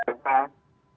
terima kasih pak